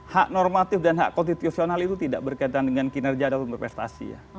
hak normatif dan hak konstitusional itu tidak berkaitan dengan kinerja atau prestasi